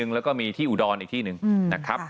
แล้วก็มีที่อุดรอีกที่หนึ่งนะครับ